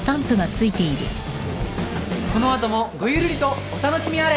この後もごゆるりとお楽しみあれ。